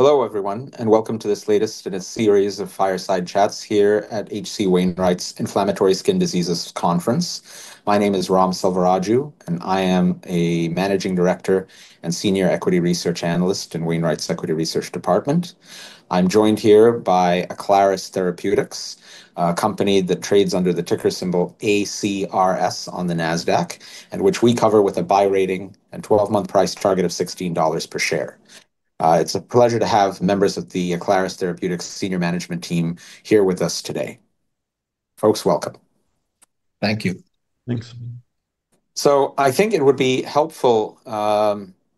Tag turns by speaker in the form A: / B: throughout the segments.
A: Hello, everyone, and welcome to this latest in a series of fireside chats here at H.C. Wainwright's Inflammatory Skin Diseases Conference. My name is Ram Selvaraju, and I am a Managing Director and Senior Equity Research Analyst in Wainwright's Equity Research Department. I'm joined here by Aclaris Therapeutics, a company that trades under the ticker symbol ACRS on the NASDAQ, and which we cover with a Buy rating and 12-month price target of $16 per share. It's a pleasure to have members of the Aclaris Therapeutics Senior Management Team here with us today. Folks, welcome.
B: Thank you.
C: Thanks.
A: I think it would be helpful,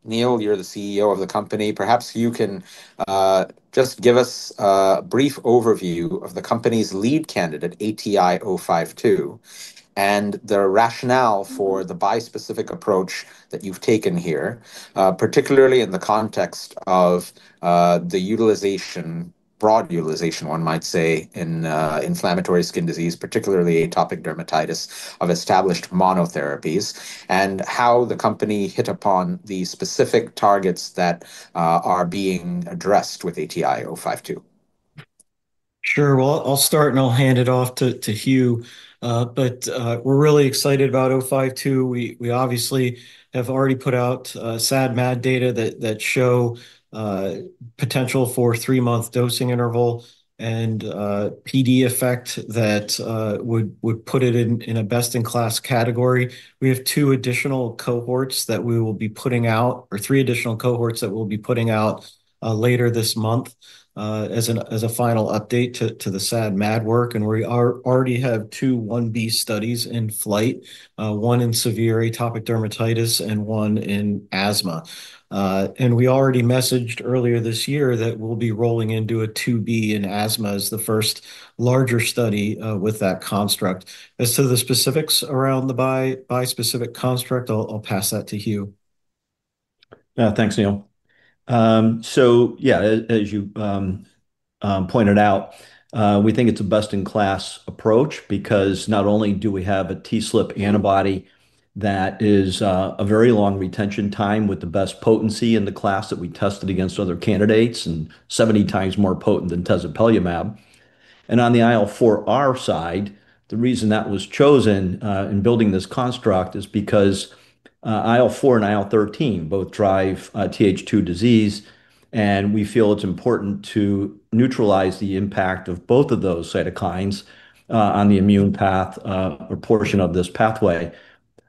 A: Neal, you're the CEO of the company. Perhaps you can just give us a brief overview of the company's lead candidate, ATI-052, and the rationale for the bispecific approach that you've taken here, particularly in the context of the broad utilization, one might say, in inflammatory skin disease, particularly atopic dermatitis of established monotherapies, and how the company hit upon the specific targets that are being addressed with ATI-052.
B: Sure. Well, I'll start, and I'll hand it off to Hugh. We're really excited about 052. We obviously have already put out SAD/MAD data that show potential for three-month dosing interval and PD effect that would put it in a best-in-class category. We have two additional cohorts that we will be putting out, or three additional cohorts that we'll be putting out later this month, as a final update to the SAD/MAD work, and we already have two I-B studies in flight. One in severe atopic dermatitis and one in asthma. We already messaged earlier this year that we'll be rolling into a II-B in asthma as the first larger study with that construct. As to the specifics around the bispecific construct, I'll pass that to Hugh.
C: Thanks, Neal. Yeah, as you pointed out, we think it's a best-in-class approach because not only do we have a TSLP antibody that is a very long retention time with the best potency in the class that we tested against other candidates and 70 times more potent than tezepelumab. On the IL-4R side, the reason that was chosen in building this construct is because IL-4 and IL-13 both drive Th2 disease, and we feel it's important to neutralize the impact of both of those cytokines on the immune path or portion of this pathway,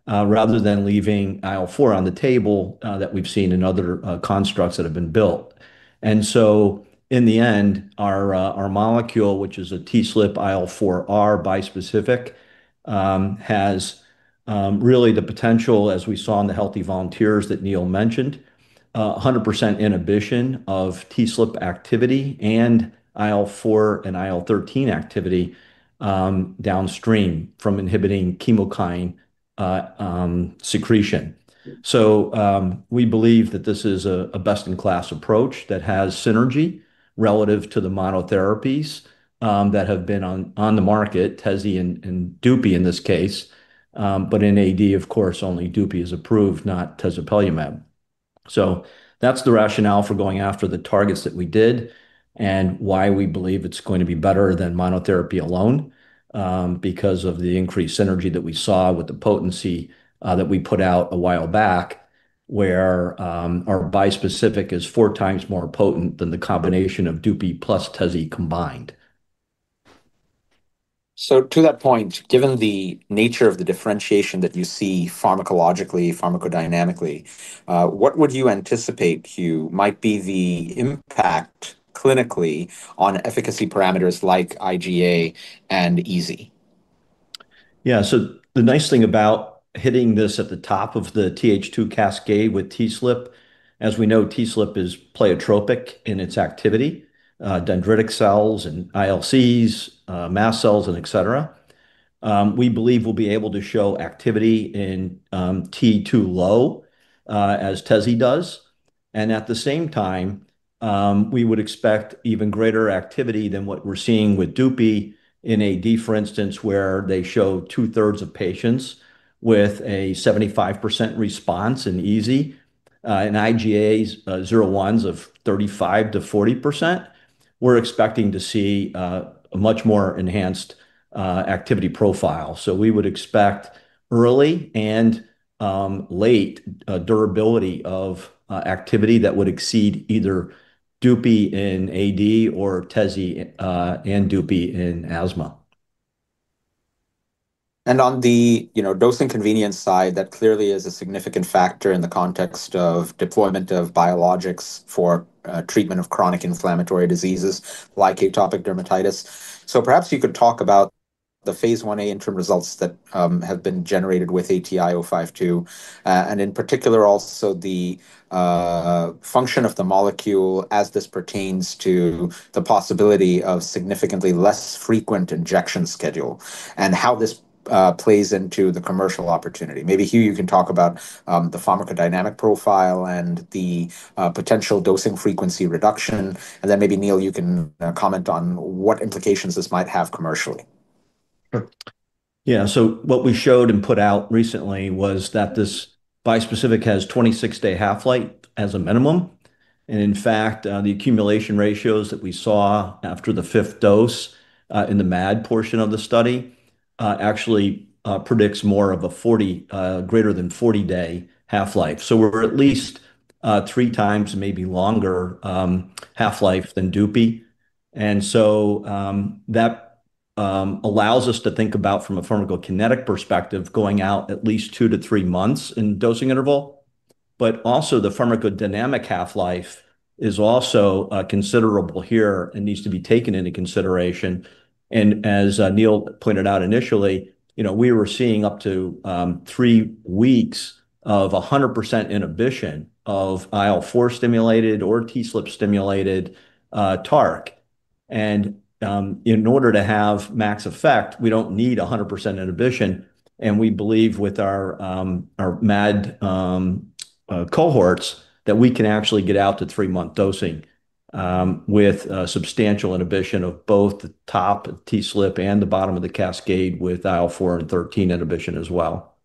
C: rather than leaving IL-4 on the table that we've seen in other constructs that have been built. In the end, our molecule, which is a TSLP/IL-4R bispecific, has really the potential, as we saw in the healthy volunteers that Neal mentioned, 100% inhibition of TSLP activity and IL-4 and IL-13 activity downstream from inhibiting chemokine secretion. We believe that this is a best-in-class approach that has synergy relative to the monotherapies that have been on the market, tezi and dupie in this case. In AD, of course, only dupie is approved, not tezepelumab. That's the rationale for going after the targets that we did and why we believe it's going to be better than monotherapy alone, because of the increased synergy that we saw with the potency, that we put out a while back, where our bispecific is four times more potent than the combination of dupie plus tezi combined.
A: To that point, given the nature of the differentiation that you see pharmacologically, pharmacodynamically, what would you anticipate, Hugh, might be the impact clinically on efficacy parameters like IGA and EASI?
C: Yeah. The nice thing about hitting this at the top of the Th2 cascade with TSLP, as we know, TSLP is pleiotropic in its activity, dendritic cells and ILCs, mast cells, and et cetera. We believe we'll be able to show activity in T2-low, as tezi does. At the same time, we would expect even greater activity than what we're seeing with dupie in AD, for instance, where they show 2/3 of patients with a 75% response in EASI. In IGAs, 0/1s of 35%-40%, we're expecting to see a much more enhanced activity profile. We would expect early and late durability of activity that would exceed either dupie in AD or tezi and dupie in asthma.
A: On the dosing convenience side, that clearly is a significant factor in the context of deployment of biologics for treatment of chronic inflammatory diseases like atopic dermatitis. Perhaps you could talk about the phase I-A interim results that have been generated with ATI-052, in particular, also the function of the molecule as this pertains to the possibility of significantly less frequent injection schedule and how this plays into the commercial opportunity. Maybe, Hugh, you can talk about the pharmacodynamic profile and the potential dosing frequency reduction, and then maybe, Neal, you can comment on what implications this might have commercially.
C: Yeah. What we showed and put out recently was that this bispecific has 26-day half-life as a minimum. In fact, the accumulation ratios that we saw after the fifth dose, in the MAD portion of the study, actually predicts more of a greater than 40-day half-life. We're at least three times, maybe longer, half-life than dupie. That allows us to think about from a pharmacokinetic perspective, going out at least two to three months in dosing interval. Also, the pharmacodynamic half-life is also considerable here and needs to be taken into consideration. As Neal pointed out initially, we were seeing up to three weeks of 100% inhibition of IL-4-stimulated or TSLP-stimulated TARC. In order to have max effect, we don't need 100% inhibition. We believe with our MAD cohorts that we can actually get out to three-month dosing, with substantial inhibition of both the top of TSLP and the bottom of the cascade with IL-4 and 13 inhibition as well.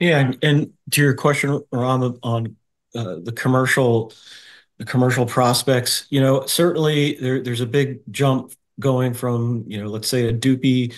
B: Yeah. To your question, Ram, on the commercial prospects, certainly, there's a big jump going from, let's say, a dupie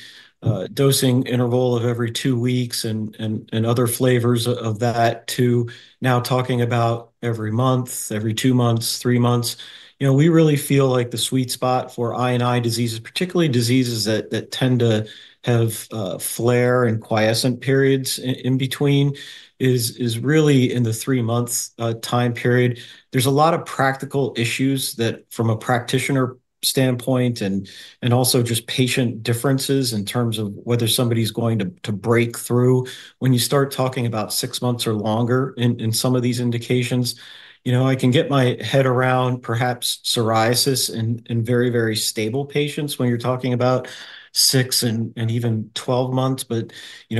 B: dosing interval of every two weeks and other flavors of that, to now talking about every month, every two months, three months. We really feel like the sweet spot for I&I diseases, particularly diseases that tend to have flare and quiescent periods in between, is really in the three-month time period. There's a lot of practical issues that from a practitioner standpoint and also just patient differences in terms of whether somebody's going to break through when you start talking about six months or longer in some of these indications. I can get my head around perhaps psoriasis in very, very stable patients when you're talking about six and even 12 months.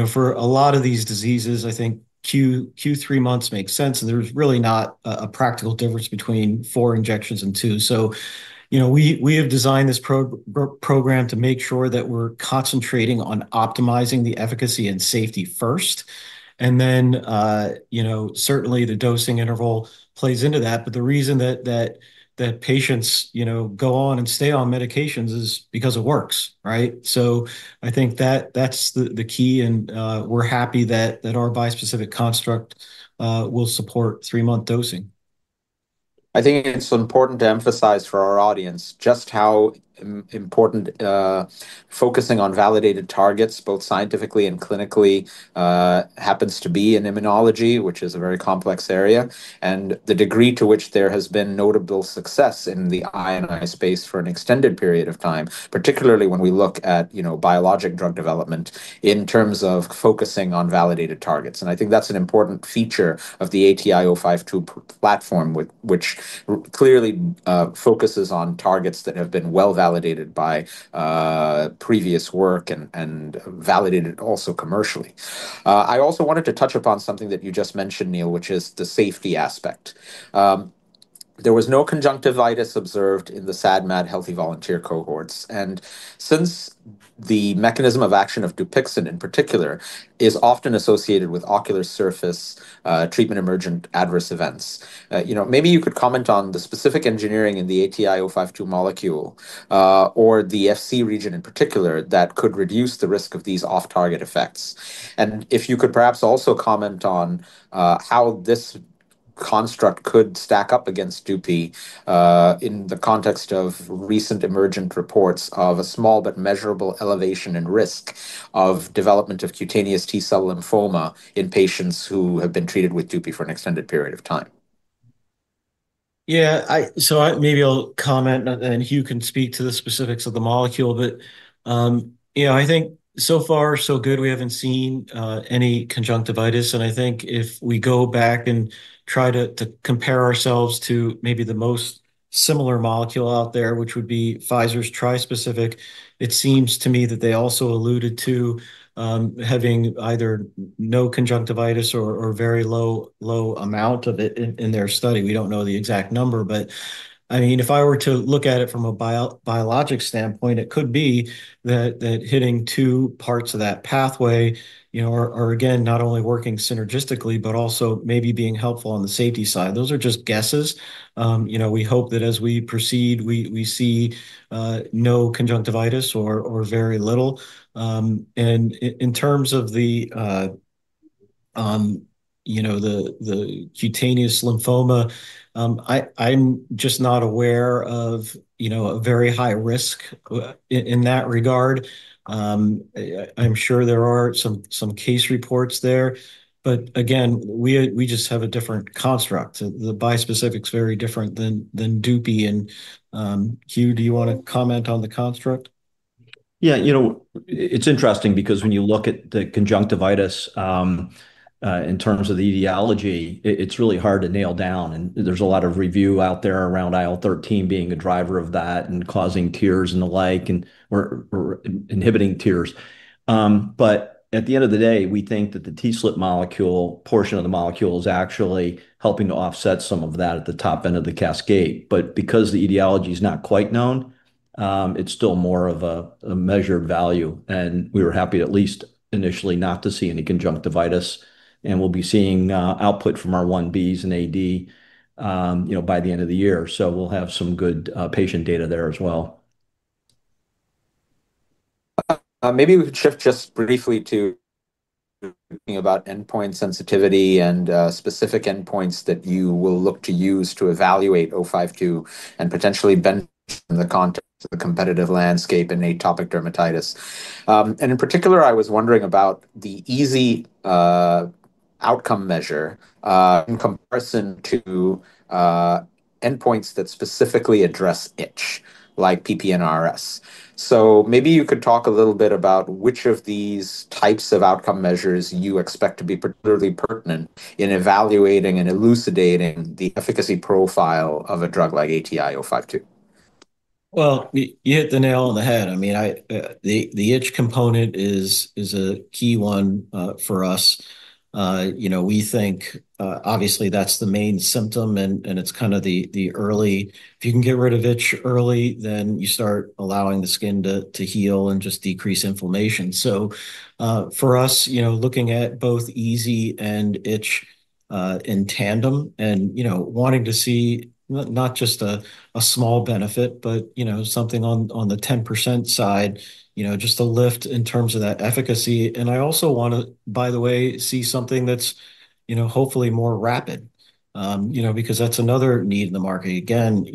B: For a lot of these diseases, I think Q3 months makes sense, and there's really not a practical difference between four injections and two. We have designed this program to make sure that we're concentrating on optimizing the efficacy and safety first, and then certainly the dosing interval plays into that. The reason that patients go on and stay on medications is because it works, right? I think that's the key, and we're happy that our bispecific construct will support three-month dosing.
A: I think it's important to emphasize for our audience just how important focusing on validated targets, both scientifically and clinically, happens to be in immunology, which is a very complex area, and the degree to which there has been notable success in the I&I space for an extended period of time, particularly when we look at biologic drug development in terms of focusing on validated targets. I think that's an important feature of the ATI-052 platform, which clearly focuses on targets that have been well-validated by previous work and validated also commercially. I also wanted to touch upon something that you just mentioned, Neal, which is the safety aspect. There was no conjunctivitis observed in the SAD, MAD healthy volunteer cohorts, since the mechanism of action of Dupixent, in particular, is often associated with ocular surface treatment-emergent adverse events. Maybe you could comment on the specific engineering in the ATI-052 molecule, or the Fc region in particular, that could reduce the risk of these off-target effects. If you could perhaps also comment on how this construct could stack up against dupie, in the context of recent emergent reports of a small but measurable elevation in risk of development of cutaneous T-cell lymphoma in patients who have been treated with dupie for an extended period of time.
B: Yeah. Maybe I'll comment, and Hugh can speak to the specifics of the molecule. I think so far so good. We haven't seen any conjunctivitis. I think if we go back and try to compare ourselves to maybe the most similar molecule out there, which would be Pfizer's trispecific, it seems to me that they also alluded to having either no conjunctivitis or very low amount of it in their study. We don't know the exact number. If I were to look at it from a biologic standpoint, it could be that hitting two parts of that pathway are again, not only working synergistically but also maybe being helpful on the safety side. Those are just guesses. We hope that as we proceed, we see no conjunctivitis or very little. In terms of the cutaneous lymphoma, I'm just not aware of a very high risk in that regard. I'm sure there are some case reports there, but again, we just have a different construct. The bispecific is very different than dupie. Hugh, do you want to comment on the construct?
C: Yeah. It's interesting because when you look at the conjunctivitis in terms of the etiology, it's really hard to nail down, and there's a lot of review out there around IL-13 being a driver of that and causing tears and the like, or inhibiting tears. But at the end of the day, we think that the TSLP portion of the molecule is actually helping to offset some of that at the top end of the cascade. But because the etiology is not quite known, it's still more of a measured value, and we were happy, at least initially, not to see any conjunctivitis, and we'll be seeing output from our I-Bs and AD by the end of the year. So we'll have some good patient data there as well.
A: Maybe we could shift just briefly to thinking about endpoint sensitivity and specific endpoints that you will look to use to evaluate 052 and potentially benchmark in the context of the competitive landscape in atopic dermatitis. In particular, I was wondering about the EASI outcome measure in comparison to endpoints that specifically address itch, like PP-NRS. Maybe you could talk a little bit about which of these types of outcome measures you expect to be particularly pertinent in evaluating and elucidating the efficacy profile of a drug like ATI-052.
C: Well, you hit the nail on the head. The itch component is a key one for us. We think, obviously, that's the main symptom, and if you can get rid of itch early, then you start allowing the skin to heal and just decrease inflammation. For us, looking at both EASI and itch in tandem and wanting to see not just a small benefit, but something on the 10% side, just a lift in terms of that efficacy. I also want to, by the way, see something that's hopefully more rapid because that's another need in the market. Again,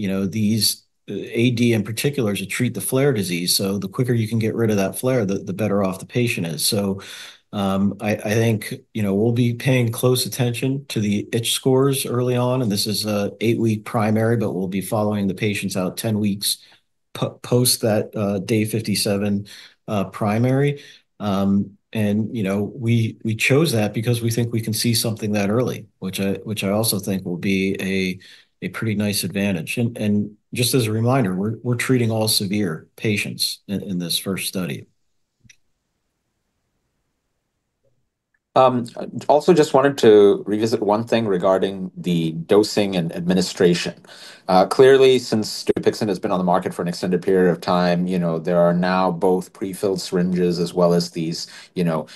C: AD, in particular, is a treat the flare disease. The quicker you can get rid of that flare, the better off the patient is. I think we'll be paying close attention to the itch scores early on, and this is an eight-week primary, but we'll be following the patients out 10 weeks post that day 57 primary. We chose that because we think we can see something that early, which I also think will be a pretty nice advantage. Just as a reminder, we're treating all severe patients in this first study.
A: Also, I just wanted to revisit one thing regarding the dosing and administration. Clearly, since Dupixent has been on the market for an extended period of time, there are now both prefilled syringes as well as these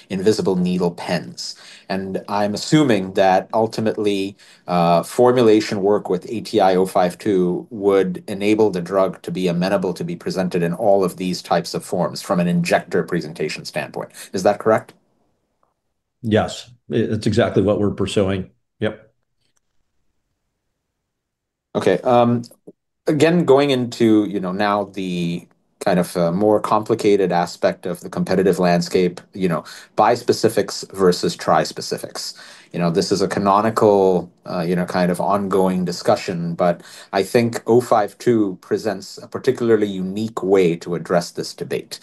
A: invisible needle pens. I'm assuming that ultimately, formulation work with ATI-052 would enable the drug to be amenable to be presented in all of these types of forms from an injector presentation standpoint. Is that correct?
C: Yes. That's exactly what we're pursuing. Yep.
A: Okay. Again, going into now the more complicated aspect of the competitive landscape, bispecifics versus trispecifics, this is a canonical ongoing discussion, but I think 052 presents a particularly unique way to address this debate.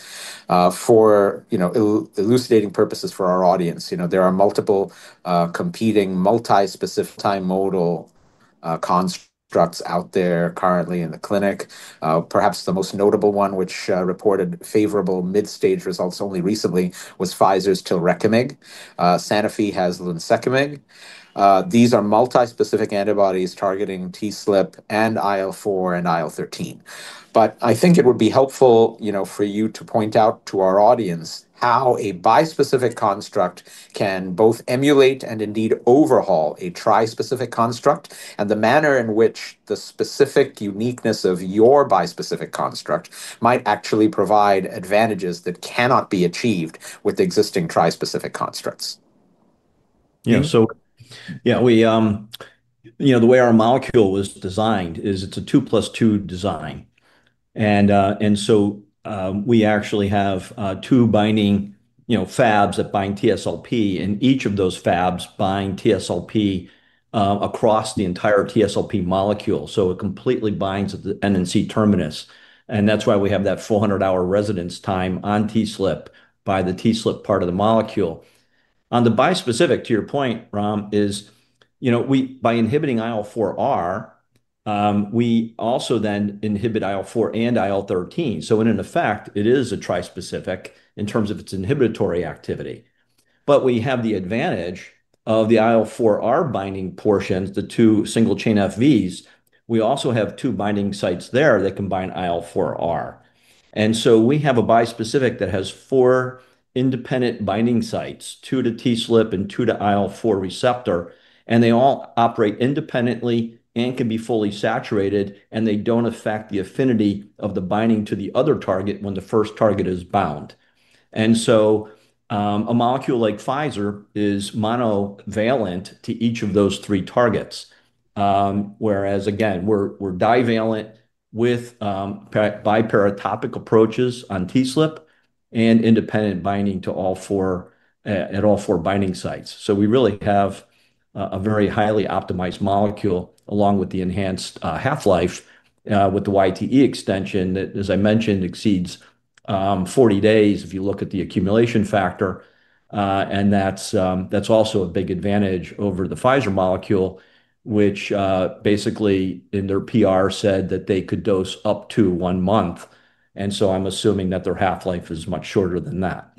A: For elucidating purposes for our audience, there are multiple competing multi-specific bimodal constructs out there currently in the clinic. Perhaps the most notable one, which reported favorable mid-stage results only recently, was Pfizer's tilrekimig. Sanofi has lunsekimig. These are multi-specific antibodies targeting TSLP and IL-4 and IL-13. I think it would be helpful for you to point out to our audience how a bispecific construct can both emulate and indeed overhaul a trispecific construct, and the manner in which the specific uniqueness of your bispecific construct might actually provide advantages that cannot be achieved with existing trispecific constructs.
C: Yeah. The way our molecule was designed is it's a two plus two design. We actually have two binding Fabs that bind TSLP, and each of those Fabs bind TSLP across the entire TSLP molecule. It completely binds at the N- and C-terminus, and that's why we have that 400-hour residence time on TSLP by the TSLP part of the molecule. On the bispecific, to your point, Ram, is by inhibiting IL-4R, we also then inhibit IL-4 and IL-13. In an effect, it is a trispecific in terms of its inhibitory activity. We have the advantage of the IL-4R binding portions, the two single-chain Fvs. We also have two binding sites there that can bind IL-4R. We have a bispecific that has four independent binding sites, two to TSLP and two to IL-4 receptor, and they all operate independently and can be fully saturated, and they don't affect the affinity of the binding to the other target when the first target is bound. A molecule like Pfizer is monovalent to each of those three targets. Whereas again, we're divalent with biparatopic approaches on TSLP and independent binding at all four binding sites. We really have a very highly optimized molecule, along with the enhanced half-life with the YTE extension that, as I mentioned, exceeds 40 days if you look at the accumulation factor. That's also a big advantage over the Pfizer molecule, which basically in their PR said that they could dose up to one month, and so I'm assuming that their half-life is much shorter than that.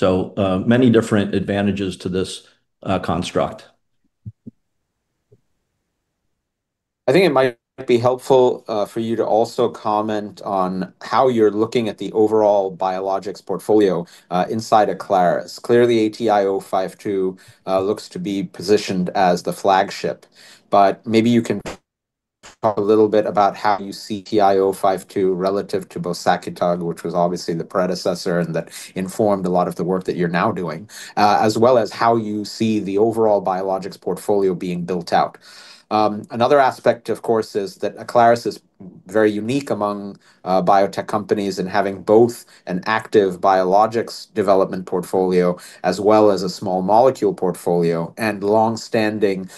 C: Many different advantages to this construct.
A: I think it might be helpful for you to also comment on how you're looking at the overall biologics portfolio inside of Aclaris. Clearly, ATI-052 looks to be positioned as the flagship, but maybe you can talk a little bit about how you see ATI-052 relative to bosakitug, which was obviously the predecessor and that informed a lot of the work that you're now doing, as well as how you see the overall biologics portfolio being built out. Another aspect, of course, is that Aclaris is very unique among biotech companies in having both an active biologics development portfolio, as well as a small molecule portfolio and longstanding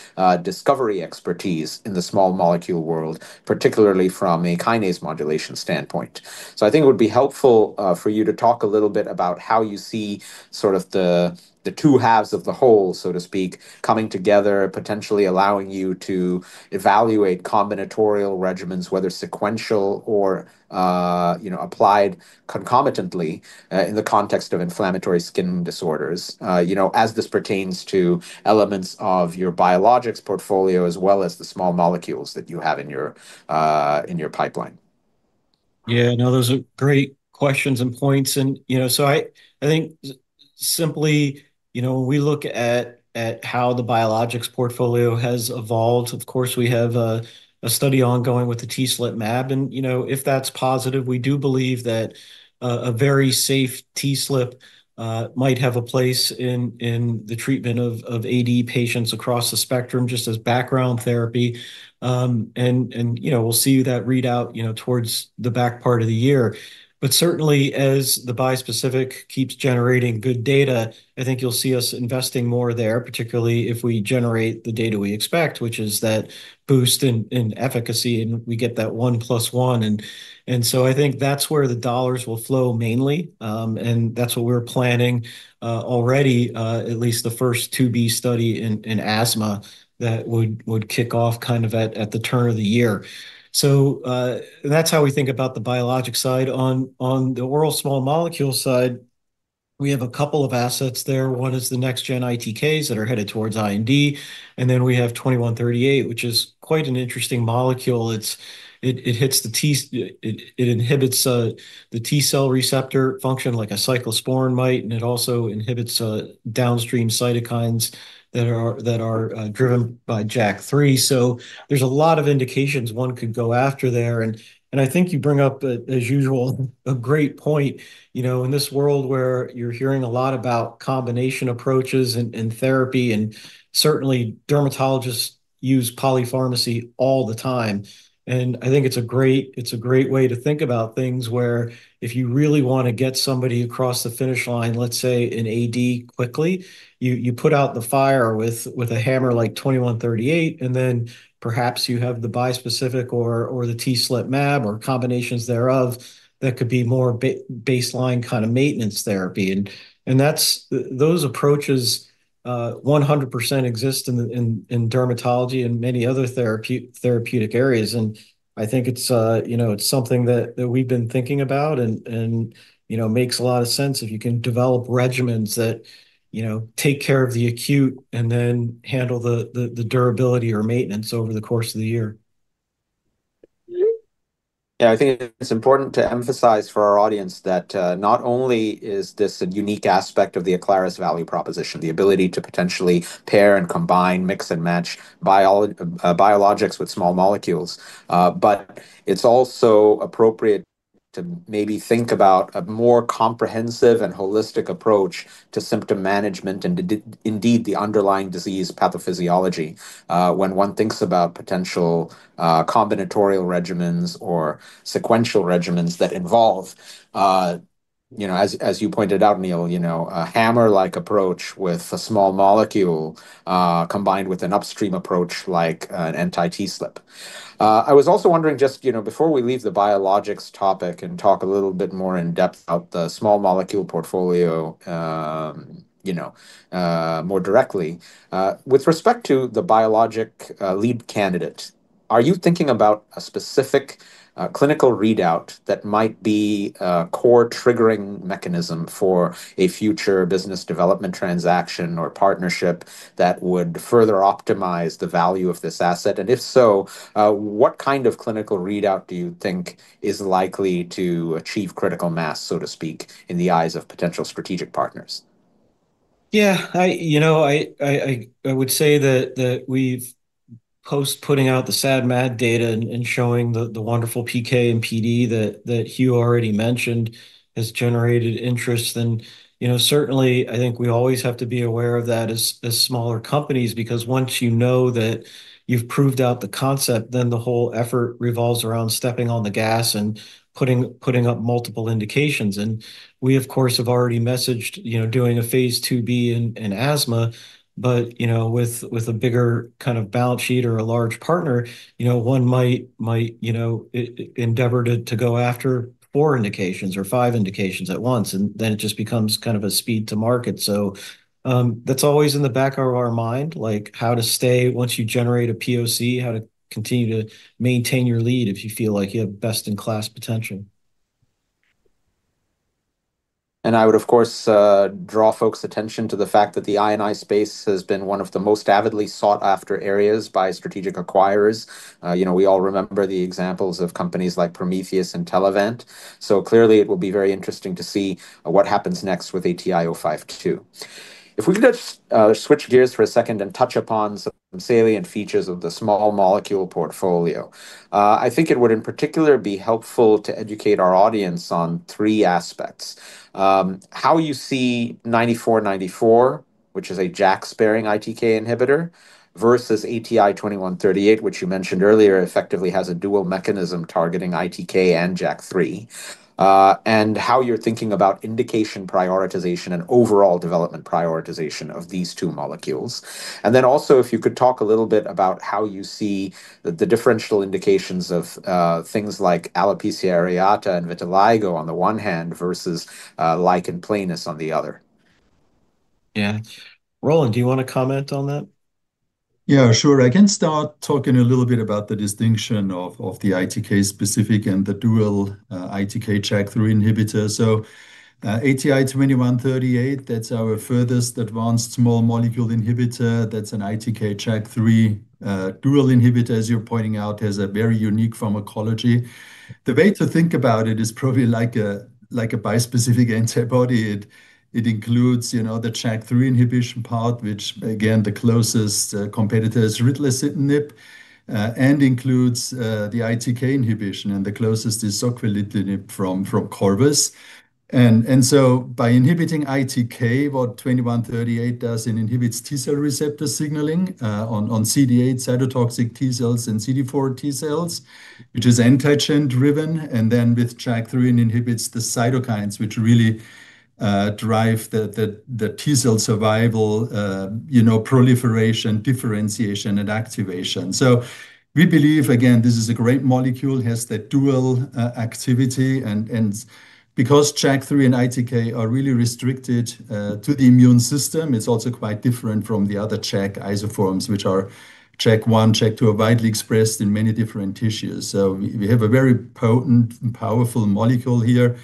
A: discovery expertise in the small molecule world, particularly from a kinase modulation standpoint. I think it would be helpful for you to talk a little bit about how you see the two halves of the whole, so to speak, coming together, potentially allowing you to evaluate combinatorial regimens, whether sequential or applied concomitantly in the context of inflammatory skin disorders as this pertains to elements of your biologics portfolio, as well as the small molecules that you have in your pipeline.
B: Yeah. No, those are great questions and points. I think simply, when we look at how the biologics portfolio has evolved, of course, we have a study ongoing with the TSLP mAb, and if that's positive, we do believe that a very safe TSLP might have a place in the treatment of AD patients across the spectrum, just as background therapy. We'll see that readout towards the back part of the year. Certainly, as the bispecific keeps generating good data, I think you'll see us investing more there, particularly if we generate the data we expect, which is that boost in efficacy, and we get that 1 + 1. I think that's where the dollars will flow mainly, and that's what we're planning already, at least the first II-B study in asthma that would kick off at the turn of the year, That's how we think about the biologic side. On the oral small molecule side, we have a couple of assets there. One is the next-gen ITKs that are headed towards IND, and then we have 2138, which is quite an interesting molecule. It inhibits the T cell receptor function like a cyclosporine might, and it also inhibits downstream cytokines that are driven by JAK3. There's a lot of indications one could go after there, and I think you bring up, as usual, a great point. In this world where you're hearing a lot about combination approaches and therapy, and certainly dermatologists use polypharmacy all the time. I think it's a great way to think about things where if you really want to get somebody across the finish line, let's say in AD quickly, you put out the fire with a hammer like 2138, and then perhaps you have the bispecific or the TSLP mAb or combinations thereof that could be more baseline maintenance therapy. Those approaches 100% exist in dermatology and many other therapeutic areas. I think it's something that we've been thinking about and makes a lot of sense if you can develop regimens that take care of the acute and then handle the durability or maintenance over the course of the year.
A: Yeah, I think it's important to emphasize for our audience that not only is this a unique aspect of the Aclaris value proposition, the ability to potentially pair and combine, mix and match biologics with small molecules, but it's also appropriate to maybe think about a more comprehensive and holistic approach to symptom management and indeed the underlying disease pathophysiology. When one thinks about potential combinatorial regimens or sequential regimens that involve, as you pointed out, Neal, a hammer-like approach with a small molecule, combined with an upstream approach like an anti-TSLP. I was also wondering just before we leave the biologics topic and talk a little bit more in depth about the small molecule portfolio more directly, with respect to the biologic lead candidate, are you thinking about a specific clinical readout that might be a core triggering mechanism for a future business development transaction or partnership that would further optimize the value of this asset? If so, what kind of clinical readout do you think is likely to achieve critical mass, so to speak, in the eyes of potential strategic partners?
B: Yeah. I would say that, post putting out the SAD and MAD data and showing the wonderful PK and PD that Hugh already mentioned, has generated interest. Certainly, I think we always have to be aware of that as smaller companies, because once you know that you've proved out the concept, then the whole effort revolves around stepping on the gas and putting up multiple indications. We, of course, have already messaged doing a phase II-B in asthma. With a bigger balance sheet or a large partner, one might endeavor to go after four indications or five indications at once, and then it just becomes a speed to market. That's always in the back of our mind, like how to stay, once you generate a POC, how to continue to maintain your lead if you feel like you have best-in-class potential.
A: I would, of course, draw folks' attention to the fact that the I&I space has been one of the most avidly sought-after areas by strategic acquirers. We all remember the examples of companies like Prometheus and Telavant. Clearly it will be very interesting to see what happens next with ATI-052. If we could just switch gears for a second and touch upon some salient features of the small molecule portfolio. I think it would in particular be helpful to educate our audience on three aspects, how you see 9494, which is a JAK-sparing ITK inhibitor, versus ATI-2138, which you mentioned earlier effectively has a dual mechanism targeting ITK and JAK3, and how you're thinking about indication prioritization and overall development prioritization of these two molecules. Also, if you could talk a little bit about how you see the differential indications of things like alopecia areata and vitiligo on the one hand, versus lichen planus on the other.
B: Yeah. Roland, do you want to comment on that?
D: Yeah, sure. I can start talking a little bit about the distinction of the ITK specific and the dual ITK/JAK3 inhibitor. ATI-2138, that's our furthest advanced small molecule inhibitor. That's an ITK/JAK3 dual inhibitor, as you're pointing out, has a very unique pharmacology. The way to think about it is probably like a bispecific antibody. It includes the JAK3 inhibition part, which again, the closest competitor is ritlecitinib, and includes the ITK inhibition and the closest is soquelitinib from Corvus. By inhibiting ITK, what 2138 does, it inhibits T cell receptor signaling on CD8 cytotoxic T cells and CD4 T cells, which is antigen driven, and then with JAK3 and inhibits the cytokines which really drive the T cell survival, proliferation, differentiation, and activation. We believe, again, this is a great molecule, has that dual activity, and because JAK3 and ITK are really restricted to the immune system, it's also quite different from the other JAK isoforms, which are JAK1, JAK2, are widely expressed in many different tissues. We have a very potent and powerful molecule here.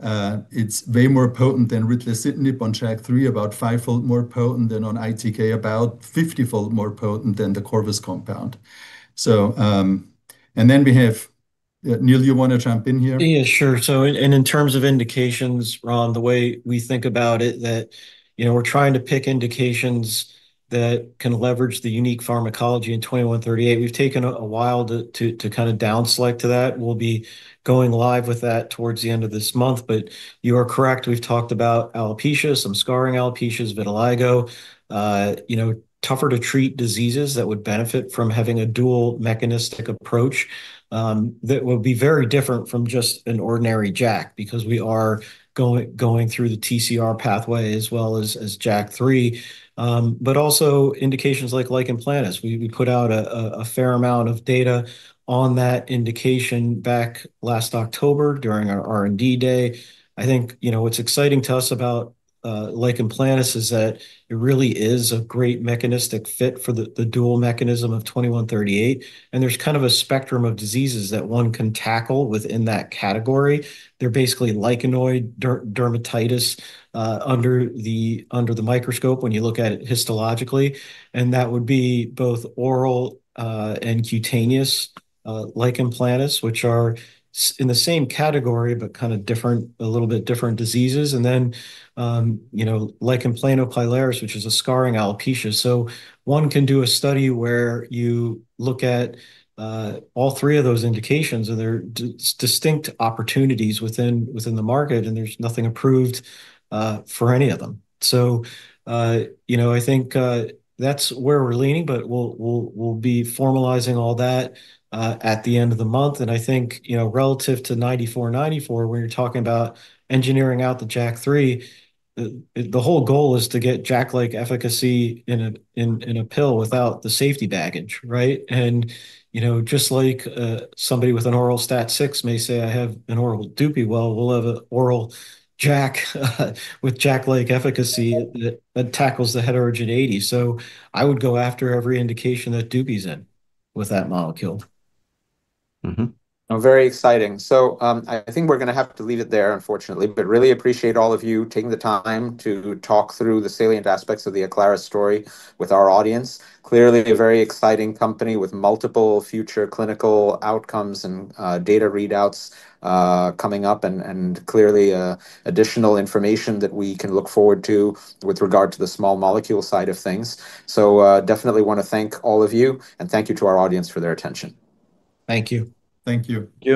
D: It's way more potent than ritlecitinib on JAK3, about 5-fold more potent than on ITK, about 50-fold more potent than the Corvus compound. We have Neal, you want to jump in here?
B: Yeah, sure. In terms of indications, Ram, the way we think about it, that we're trying to pick indications that can leverage the unique pharmacology in 2138. We've taken a while to down select to that. We'll be going live with that towards the end of this month. You are correct. We've talked about alopecia, some scarring alopecias, vitiligo, tougher to treat diseases that would benefit from having a dual mechanistic approach, that will be very different from just an ordinary JAK, because we are going through the TCR pathway as well as JAK3. Also indications like lichen planus. We put out a fair amount of data on that indication back last October during our R&D Day. I think what's exciting to us about lichen planus is that it really is a great mechanistic fit for the dual mechanism of 2138, and there's kind of a spectrum of diseases that one can tackle within that category. They're basically lichenoid dermatitis under the microscope when you look at it histologically. That would be both oral and cutaneous lichen planus, which are in the same category, but kind of a little bit different diseases. Lichen planopilaris, which is a scarring alopecia. One can do a study where you look at all three of those indications, and they're distinct opportunities within the market, and there's nothing approved for any of them. I think that's where we're leaning, but we'll be formalizing all that at the end of the month. I think, relative to 9494, when you're talking about engineering out the JAK3, the whole goal is to get JAK-like efficacy in a pill without the safety baggage, right? Just like somebody with an oral STAT6 may say, "I have an oral dupie," well, we'll have an oral JAK with JAK-like efficacy that tackles the heterogeneity. I would go after every indication that dupies in with that molecule.
A: Very exciting. I think we're going to have to leave it there, unfortunately. Really appreciate all of you taking the time to talk through the salient aspects of the Aclaris story with our audience. Clearly a very exciting company with multiple future clinical outcomes and data readouts coming up, and clearly additional information that we can look forward to with regard to the small molecule side of things. Definitely want to thank all of you, and thank you to our audience for their attention.
B: Thank you.
D: Thank you.
A: Thank you.